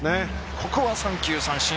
ここは３球三振。